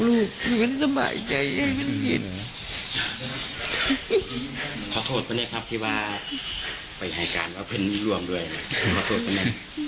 ดูทั้งหมดอันการด้วยนะ